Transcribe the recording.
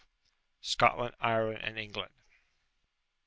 SCOTLAND, IRELAND, AND ENGLAND.